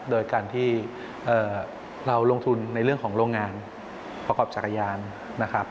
โดยการที่เราลงทุนในเรื่องของโรงงานประกอบจักรยานนะครับ